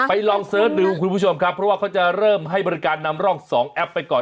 ลองเสิร์ชดูคุณผู้ชมครับเพราะว่าเขาจะเริ่มให้บริการนำร่อง๒แอปไปก่อน